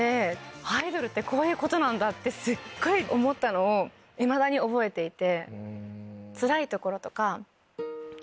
アイドルってこういうことなんだってすっごい思ったのをいまだに覚えていて。